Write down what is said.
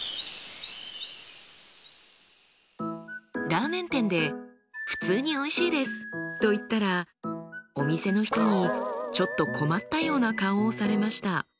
ラーメン店で「普通においしいです」と言ったらお店の人にちょっと困ったような顔をされました。